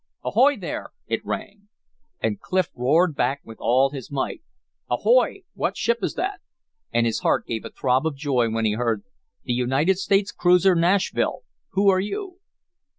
"Ahoy there!" it rang. And Clif roared back with all his might! "Ahoy! What ship is that?" And his heart gave a throb of joy when he heard: "The United States cruiser Nashville. Who are you?"